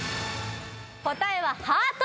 答えは「ハート」